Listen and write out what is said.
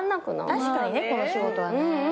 確かにねこの仕事はね。